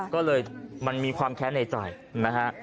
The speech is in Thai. ก็เลยมันมีความแค้นในใจนะฮะ